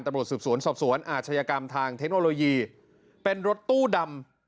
ตำรวจสืบสวนสอบสวนอาชญากรรมทางเทคโนโลยีเป็นรถตู้ดำ